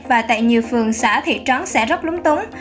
và tại nhiều phường xã thị trấn sẽ rất lúng túng